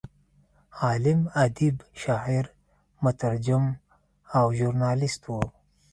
عالم، ادیب، شاعر، مترجم او ژورنالست و.